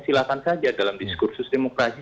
silahkan saja dalam diskursus demokrasi